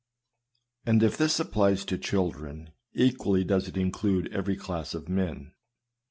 And if this applies to children, equally does it include every class of men.